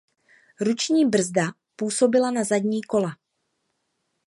Ruční brzda působila na zadní kola.